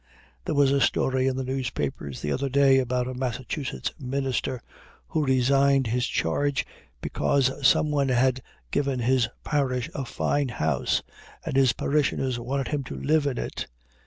There was a story in the newspapers the other day about a Massachusetts minister who resigned his charge because someone had given his parish a fine house, and his parishioners wanted him to live in it.